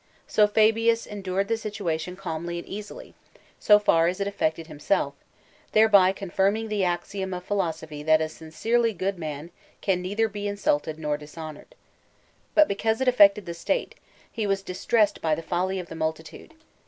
So Fabius endured the situation calmly and easily, so far as it affected himself, thereby confirming the axiom of philosophy that a sincerely good man can neither be insulted nor dishonoured. But because it affected the state, he was distressed by the folly of the multitude.